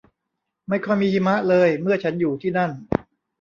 ไม่ค่อยมีหิมะเลยเมื่อฉันอยู่ที่นั่น